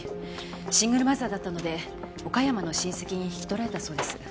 シングルマザーだったので岡山の親戚に引き取られたそうです。